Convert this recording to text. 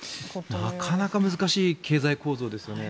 なかなか難しい経済構造ですよね。